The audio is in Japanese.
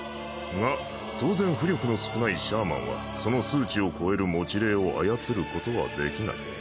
が当然巫力の少ないシャーマンはその数値を超える持霊を操ることはできない。